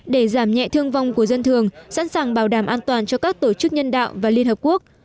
để giảm nhẹ thương vong của dân thường sẵn sàng bảo đảm an toàn cho các tổ chức nhân đạo và liên hợp quốc